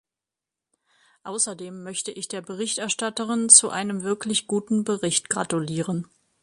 Außerdem möchte ich der Berichterstatterin zu einem wirklich guten Bericht gratulieren.